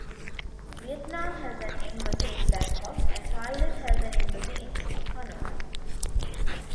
Vietnam has an embassy in Bangkok, and Thailand has an embassy in Hanoi.